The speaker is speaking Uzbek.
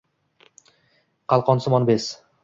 qalqonsimon bez;